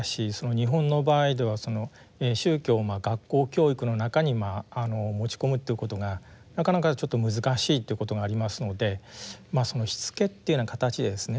日本の場合では宗教を学校教育の中に持ち込むっていうことがなかなかちょっと難しいっていうことがありますのでしつけっていうような形でですね